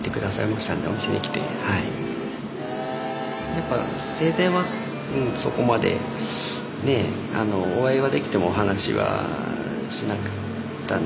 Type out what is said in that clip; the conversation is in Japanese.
やっぱ生前はそこまでお会いはできてもお話はしなかったんですけれども。